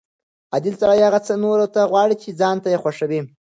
عادل سړی هغه څه نورو ته غواړي چې ځان ته یې خوښوي.